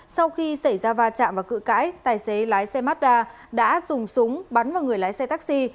sau khi xảy ra va chạm và cự cãi tài xế lái xe mazda đã dùng súng bắn vào người lái xe taxi